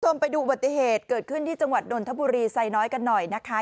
ไปดูอุบัติเหตุเกิดขึ้นที่จังหวัดนนทบุรีไซน้อยกันหน่อยนะคะ